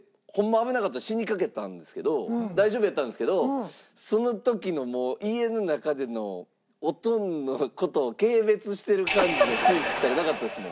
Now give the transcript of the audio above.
危なかった死にかけたんですけど大丈夫やったんですけどその時の家の中でのおとんの事を軽蔑してる感じの空気ったらなかったですもん。